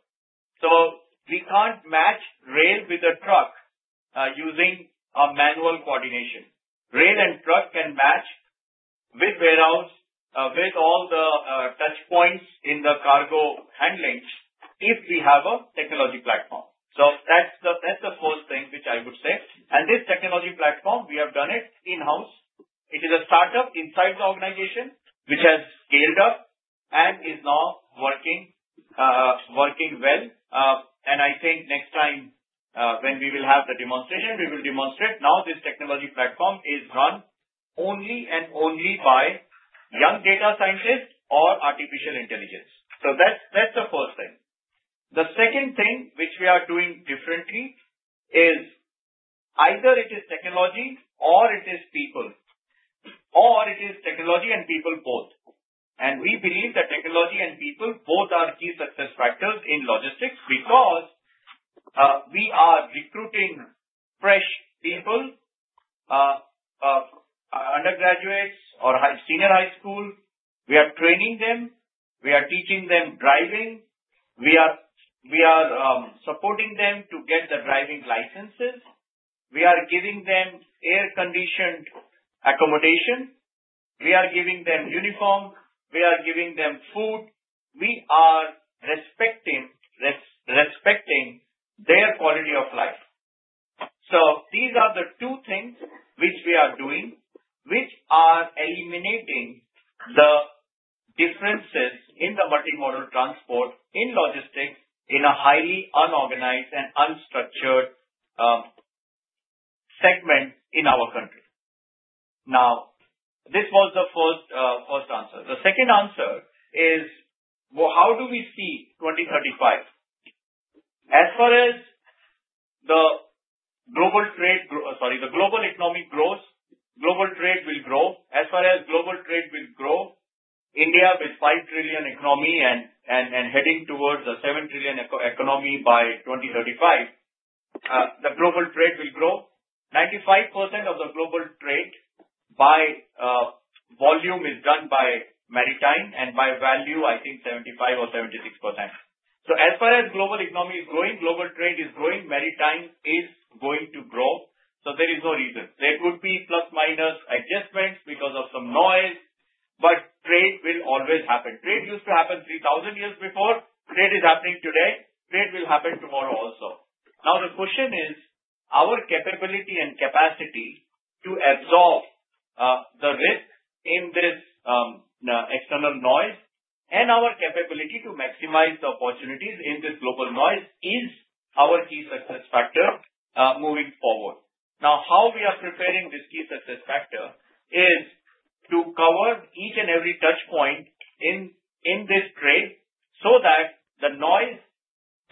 We can't match rail with a truck using a manual coordination. Rail and truck can match with warehouse with all the touch points in the cargo handlings if we have a technology platform. That's the first thing which I would say, and this technology platform, we have done it in house. It is a startup inside the organization which has scaled us and is now working well. I think next time when we will have the demonstration, we will demonstrate. Now, this technology platform is run only and only by young data scientists or artificial intelligence. That's the first thing. The second thing which we are doing differently is either it is technology or it is people or it is technology and people both. We believe that technology and people, both are key success factors in logistics. We are recruiting fresh people, undergraduate or senior high school, we are training them, we are teaching them driving, we are supporting them to get the driving licenses. We are giving them air conditioned accommodation, we are giving them uniform, we are giving them food, we are respecting their quality of life. These are the two things which we are doing which are eliminating the differences in the multimodal transport, in logistics in a highly unorganized and unstructured segment in our country. This was the first answer. The second answer is, how do we see 2035 as far as the global trade. As the global economy grows, global trade will grow. As far as global trade will grow, India with $5 trillion economy and heading towards a $7 trillion economy. By 2035, the global trade will grow. 95% of the global trade by volume is done by maritime and by value, I think 75% or 76%. As far as global economy is going, global trade is growing, maritime is going to grow. There is no reason there could be plus minus adjustments because of some noise. Trade will always happen. Trade used to happen 3,000 years before. Trade is happening today. Trade will happen tomorrow also. The question is our capability and capacity to absorb the risk in this external noise and our capability to maximize the opportunities in this global noise is our key success factor. Moving forward, how we are preparing this key success factor is to cover each and every touch point in this trade so that the noise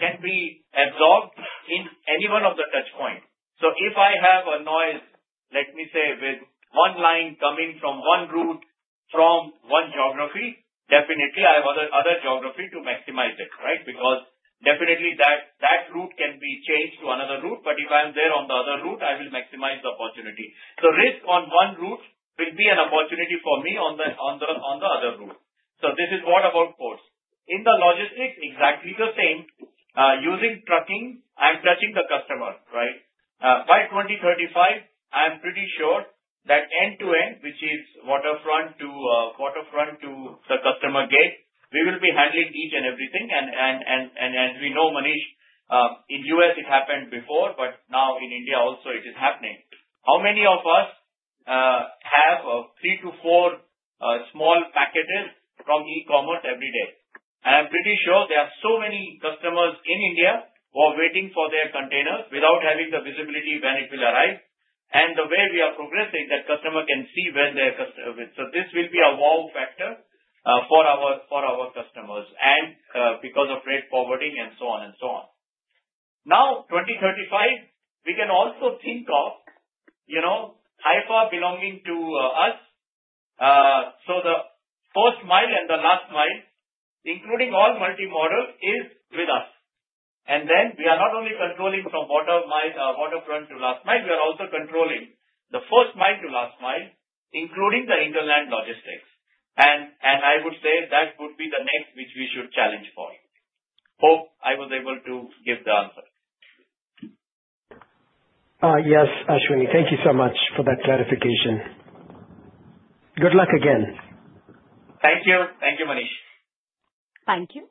can be absorbed in any one of the touch points. If I have a noise, let me say with one line coming from one route, from one geography, definitely I have other geography to maximize it, right? That route can be changed to another route. If I am there on the other route, I will maximize the opportunity. The risk on one route will be an opportunity for me on the other route. This is what about ports in the logistics. Exactly the same. Using trucking, I am touching the customer, right? By 2035 I am pretty sure that end to end, which is waterfront to quarterfront to the customer gate, we will be handling each and everything. As we know, Manish, in the U.S. it happened before. Now in India also it is happening. How many of us have three to four small packages from e-commerce every day? I am pretty sure there are so many customers in India who are waiting for their container without having the visibility when it will arrive. The way we are progressing, that customer can see when their customer. This will be a wow factor for our customers and because of rate forwarding and so on. Now, 2035 we can also think of, you know, Haifa belonging to us. The post mile and the last mile including all multimodal is with us. We are not only controlling from waterfront to last mile, we are also controlling the first microblast mile including the inland logistics and I would say that would be the next which we should challenge for you. Hope I was able to give the answer. Yes. Ashwani, thank you so much for that clarification. Good luck again. Thank you. Thank you, Manish. Thank you.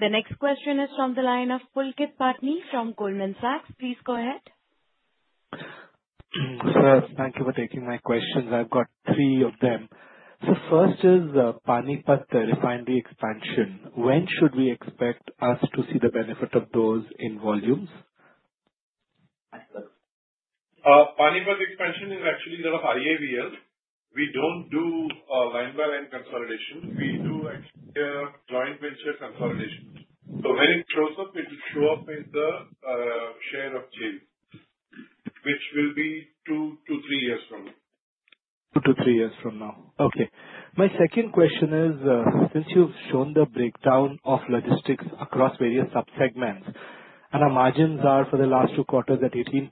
The next question is from the line of Pulkit Patni from Goldman Sachs. Please go ahead. Thank you for taking my questions. I've got three of them. The first is Panipat Refinery expansion. When should we expect us to see the benefit of those in volumes. Panipat was expansion is actually the IOCL. We don't do line by line consolidation. We do external joint ventures authorization. When it processes, it will show up with the share of change, which will be two to three years from now. Okay. My second question is since you've shown the breakdown of logistics across various subsegments and our margins are for the last two quarters at 18%,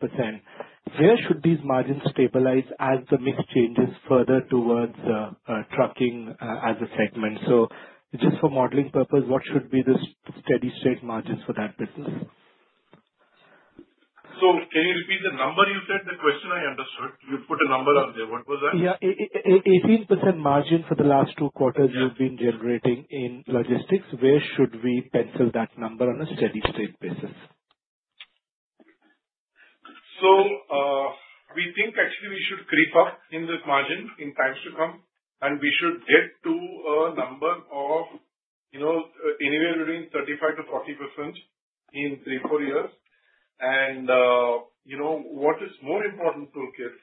where should these margins stabilize as the mix changes further towards trucking as a segment? For modeling purpose, what should. Be the steady state margins for that business? Can you repeat the number? You said the question. I understood you put a number out there. What was that? Yeah, 18% margin for the last two. Quarters you've been generating in logistics. Where should we pencil that number in. A steady state basis? We think actually we should creep up in the margin in times to come and we should get to a number of anywhere between 35%-40% in three, four years. You know what is more important? Toolkit.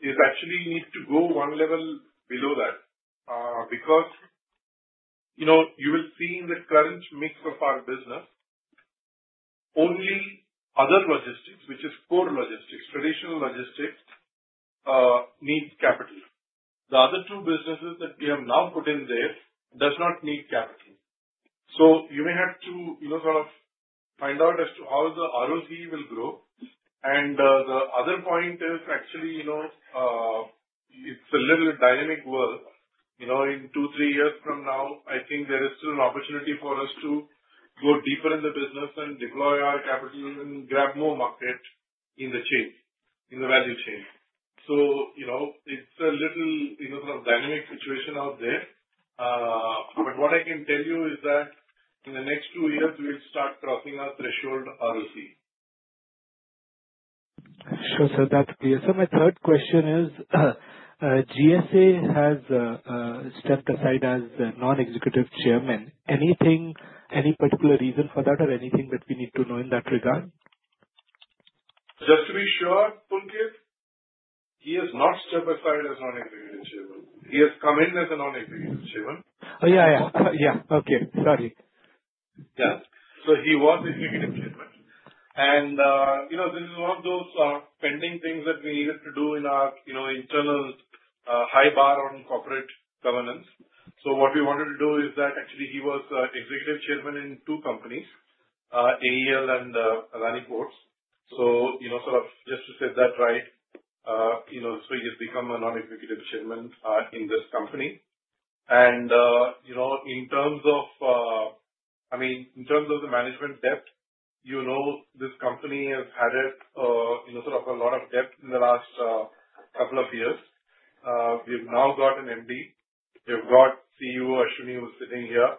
It actually needs to go one level below that because you know, you will see in the current mix of our business only other logistics, which is core logistics. Traditional logistics needs capital. The other two businesses that we have now put in there do not need capital. You may have to sort of find out as to how the ROC will grow. The other point is actually, you know, it's a little dynamic world, you know, in two, three years from now, I think there is still an opportunity for us to go deeper in the business and deploy our capital, even grab more market in the chain, in the value chain. It's a little sort of dynamic situation out there. What I can tell you is that in the next two years we'll start crossing our threshold ROC. My third question is GSA has stepped aside as the Non-Executive Chairman. Anything, any particular reason for that? Anything that we need to know in that regard? Just to be sure. Pulkit, he has not certified as Non-Executive. He has come in as a Non-Executive Chairman. Yeah, yeah, okay. Sorry. Yes, he was Executive Chairman and this is one of those pending things that we needed to do in our internal high bar on corporate governance. What we wanted to do is that actually he was Executive Chairman in two companies, AEL and Adani Ports. Just to set that right, you've become a Non-Executive Chairman in this company. In terms of the management depth, this company has added a lot of depth in the last couple of years. We've now got an MD, they've got CEO Ashwani who's sitting here,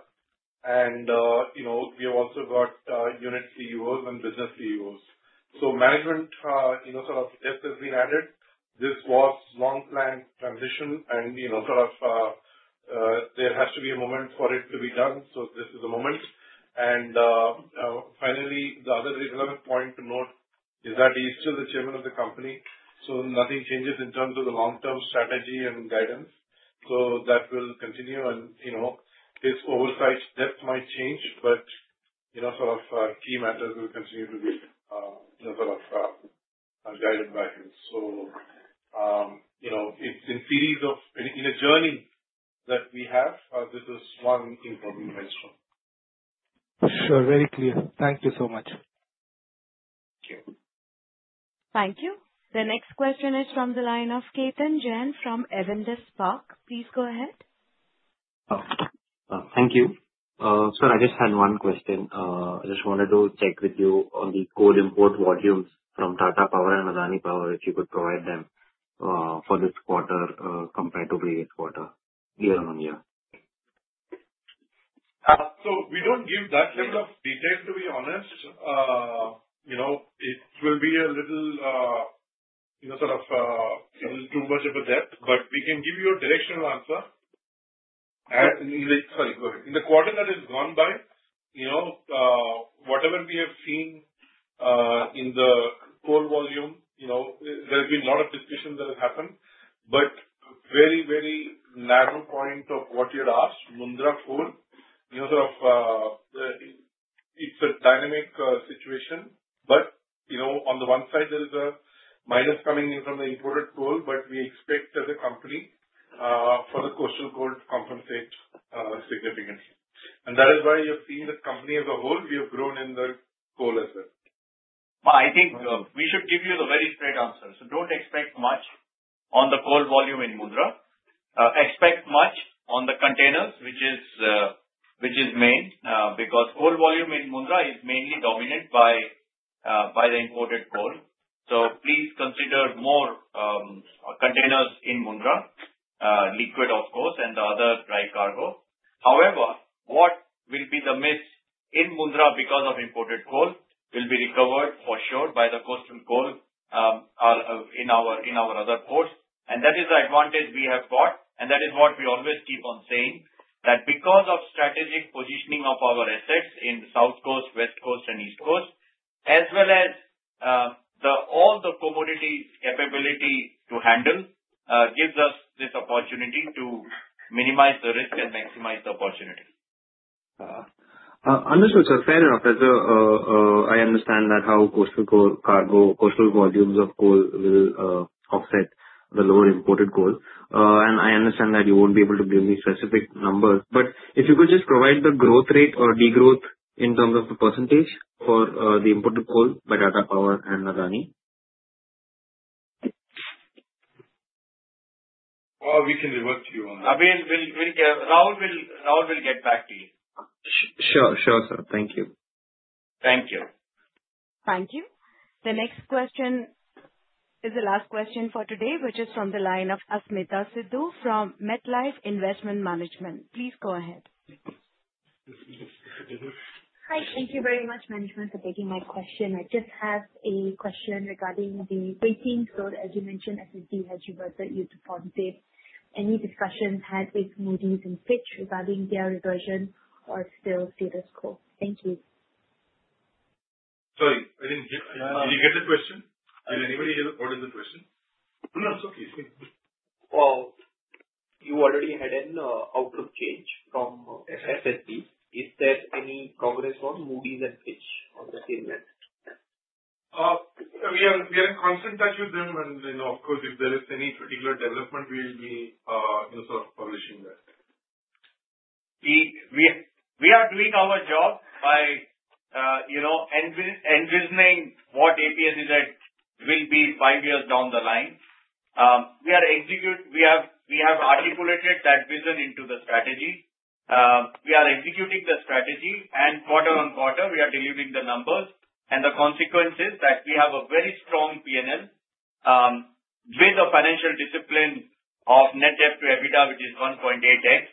and you've also got unit CEOs and business CEOs, so management depth has been added. This was a non-plan transition and there has to be a moment for it to be done. This is the moment. Finally, the other point to note is that he's still the Chairman of the company. Nothing changes in terms of the long-term strategy and guidance. That will continue. This oversight depth might change, but key matters will continue to be some of the vacuums. It's in a series, in a journey that we have. This is one thing for me. Very clear. Thank you so much. Thank you. The next question is from the line of Ketan Jain from Avendus Spark. Please go ahead. Thank you, sir. I just had one question. I just wanted to check with you on the coal import volumes from Tata Power and Adani Power if you could. Provide them for this quarter compared to. Previous quarter, year on year. We don't give that type of details, to be honest. It will be a little, you know, sort of too much of a depth, but we can give you a directional answer. In the quarter that has gone by, whatever we have seen in the coal volume, there's been a lot of situation that have happened. Very, very narrow point of what you had asked, it's a dynamic situation. On the one side, there is a minus coming in from the imported coal, but we expect as a company for the coastal coal to compensate significantly. That is why you've seen the company as a whole. We have grown in the coal as well. I think we should give you the very straight answer. Don't expect much on the coal volume in Mundra. Expect much on the containers, which is main because coal volume in Mundra is mainly dominated by the imported coal. Please consider more containers in Mundra, liquid of course, and the other dry cargo. However, what will be the miss in Mundra because of imported coal will be recovered for sure by the coast and coal in our other ports. That is the advantage we have got. That is what we always keep on saying, that because of strategic positioning of our assets in the south coast, west coast, and east coast, as well as all the commodity capability to handle, gives us this opportunity to minimize the risk and maximize the opportunity. Understood sir, fair enough. As I understand that how coastal coal. Cargo, coastal volumes of coal will offset the lower imported coal. I understand that you won't be. Able to give me specific numbers. If you could just provide the growth. Rate or degrowth in terms of the. Percentage for the imported coal by data. Power and Adani. We can reverse you on APSEZ. Rahul will get back to you. Sure. Thank you. Thank you. Thank you. The next question is the last question for today which is from the line of Asmeeta Sidhu from MetLife Investment Management. Please go ahead. Hi, thank you very much management for taking my question. I just have a question regarding the rating score. As you mentioned, S&P has reverted you to positive. Any discussions had with Moody's and Fitch regarding their reversion or still see this call. Thank you. Sorry, I didn't get the question. Did anybody call them? The question. You already had an outlook change from S&P. Is there any coverage for Moody's and Fitch on the same line? We are in constant touch with them, and of course if there is any particular development, we'll be in sort of publishing that. We are doing our job by, you know, envisioning what APSEZ will be five years down the line. We have articulated that vision into the strategy. We are executing the strategy and quarter on quarter we are delivering the numbers, and the consequence is that we have a very strong P&L with the financial discipline of net debt to EBITDA, which is 1.8x.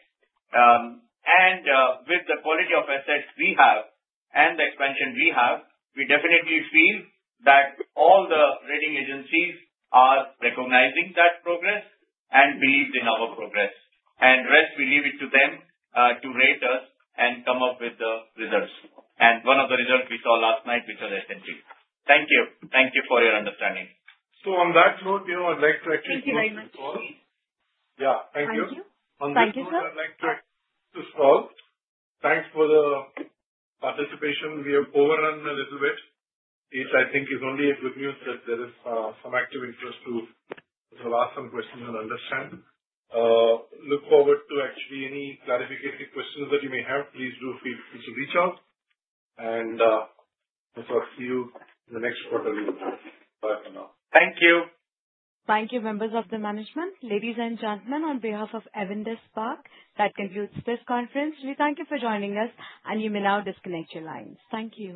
With the quality of assets we have and the expansion we have, we definitely feel that all the rating agencies are recognizing that progress and believe in our progress. The rest, we leave it to them to rate us and come up with the results, and one of the results we saw last night, which was S&P. Thank you. Thank you for your understanding. On that note, I'd like to actually—yeah, thank you. Thank you. I'd like to start. Thanks for the participation. We have overrun a little bit. I think it's only acute news that there is some active interest. If I'll ask some questions, I'll understand. Look forward to actually any clarification questions that you may have. Please do feel free to reach out and see you in the next quarterly. Bye for now. Thank you. Thank you, members of the management. Ladies and gentlemen, on behalf of Avendus Spark, that concludes this conference. We thank you for joining us, and you may now disconnect your lines. Thank you.